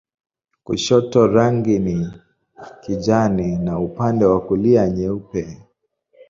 Kushoto rangi ni kijani na upande wa kulia nyeupe.